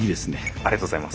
ありがとうございます。